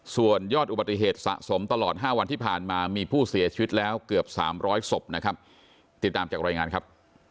ส่วนยอดอุบัติเหตุสะสมตลอด๕วันที่ผ่านมามีผู้เสียชีวิตแล้วเกือบ๓๐๐ศพนะครับ